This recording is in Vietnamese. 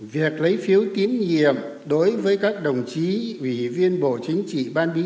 việc lấy phiếu tín nhiệm đối với các đồng chí ủy viên bộ chính trị ban bí